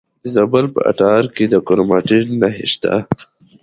د زابل په اتغر کې د کرومایټ نښې شته.